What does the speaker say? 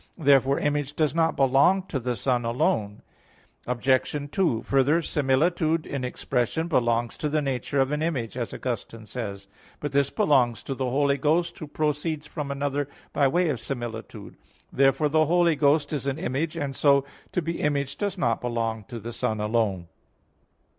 Therefore Image does not belong to the Son alone. Obj. 2: Further, similitude in expression belongs to the nature of an image, as Augustine says (QQ. lxxxiii, qu. 74). But this belongs to the Holy Ghost, Who proceeds from another by way of similitude. Therefore the Holy Ghost is an Image; and so to be Image does not belong to the Son alone.